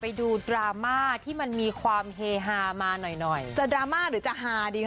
ไปดูดราม่าที่มันมีความเฮฮามาหน่อยหน่อยจะดราม่าหรือจะฮาดีค